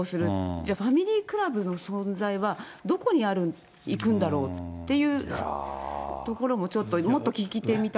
じゃあ、ファミリークラブの存在は、どこにいくんだろうっていうところもちょっともっと聞いてみたこ